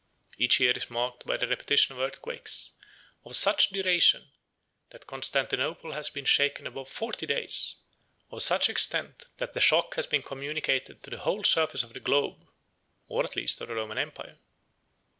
83 Each year is marked by the repetition of earthquakes, of such duration, that Constantinople has been shaken above forty days; of such extent, that the shock has been communicated to the whole surface of the globe, or at least of the Roman empire.